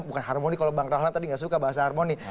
bukan harmoni kalau bang rahlan tadi nggak suka bahasa harmoni